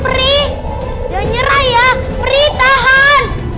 peri gak nyerah ya peri tahan